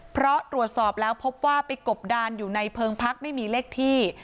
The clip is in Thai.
เพราะตรวจสอบแล้วพบว่าไปกบดานอยู่ในเพิงพักไม่มีเลขที่